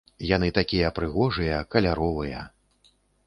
Яны такія прыгожыя, каляровыя.